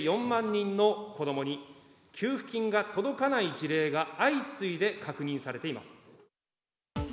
４万人の子どもに給付金が届かない事例が相次いで確認されています。